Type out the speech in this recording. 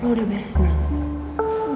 lu udah beres belum